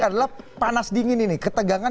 adalah panas dingin ini ketegangan